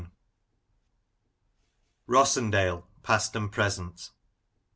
ROSSENDALE : PAST AND PRESENT.